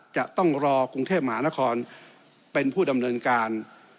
จะต้องรอกรุงเทพมหานครเป็นผู้ดำเนินการ